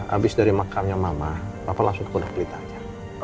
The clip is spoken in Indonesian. abis dari makamnya mama papa langsung ke kudak pelitah aja